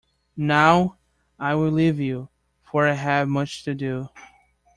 Now I will leave you, for I have much to do.